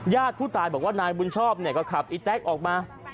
ญาติผู้ตายบอกว่านายบุญชอบเนี่ยก็ขับอีแต๊กออกมา